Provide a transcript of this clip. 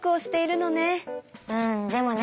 うんでもね